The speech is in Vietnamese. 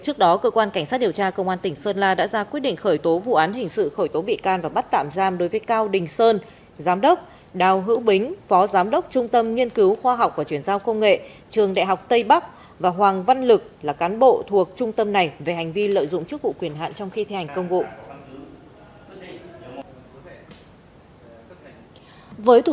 trước đó cơ quan cảnh sát điều tra công an tỉnh sơn la đã ra quyết định khởi tố vụ án hình sự khởi tố bị can và bắt tạm giam đối với cao đình sơn giám đốc đào hữu bính phó giám đốc trung tâm nhiên cứu khoa học và chuyển giao công nghệ trường đại học tây bắc và hoàng văn lực là cán bộ thuộc trung tâm này về hành vi lợi dụng chức vụ quyền hạn trong khi thi hành công vụ